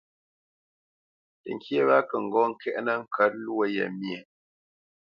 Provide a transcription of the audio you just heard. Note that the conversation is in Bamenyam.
Təŋkyé wa kə ŋgɔ́ ŋkɛ̀ʼnə ŋkə̌t lwó ye myéʼ.